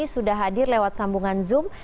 sudah hadir lewat sambungan zoom